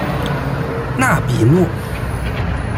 纳比诺。